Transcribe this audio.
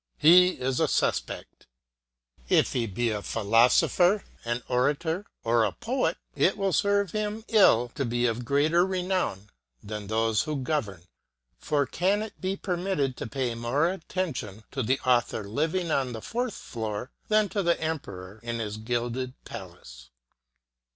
He is a suspect. If he be a philosopher, an orator, or a poet, it will serve him ill to be of greater renown than those who govern, for can it be permitted to pay more at tention to the author living on a fourth floor than to the emperor in his gilded palace?